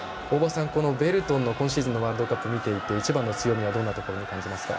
ベルトンの今シーズンのワールドカップを見ていて一番の強みはどんなところに感じますか？